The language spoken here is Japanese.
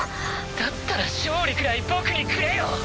だったら勝利くらい僕にくれよ。